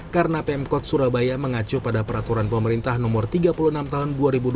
karena pmk surabaya mengacu pada peraturan pemerintah nomor tiga puluh enam tahun dua ribu dua puluh satu